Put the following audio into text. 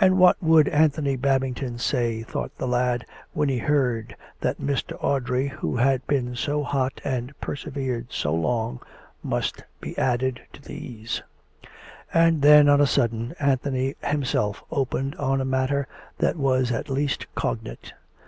And what would Anthony Babing ton say, thought the lad, when he heard that Mr. Audrey, who had been so hot and persevered so long, must be added to these ? And then, on a sudden, Anthony himself opened on a matter that was at least cognate.